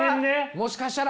もしかしたら。